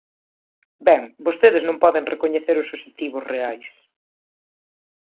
Ben, vostedes non poden recoñecer os obxectivos reais.